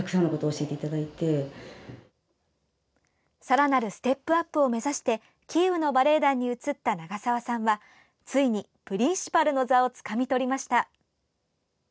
さらなるステップアップを目指してキーウのバレエ団に移った長澤さんはついにプリンシパルの座をつかみとりました。